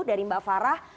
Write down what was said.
dari mbak farah